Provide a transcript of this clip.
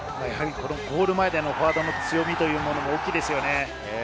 ゴール前でのフォワードの強み、大きいですね。